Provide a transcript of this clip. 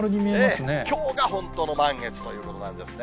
きょうが本当の満月ということなんですね。